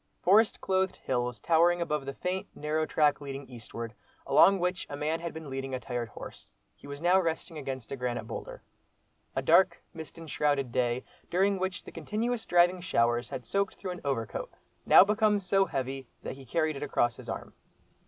Forest clothed hills towering above the faint, narrow track leading eastward, along which a man had been leading a tired horse; he was now resting against a granite boulder. A dark, mist enshrouded day, during which the continuous driving showers had soaked through an overcoat, now become so heavy that he carried it across his arm.